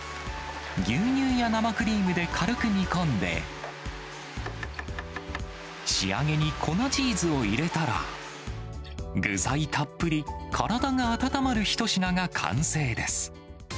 牛乳や生クリームで軽く煮込んで、仕上げに粉チーズを入れたら、具材たっぷり、体が温まる一品が完成です。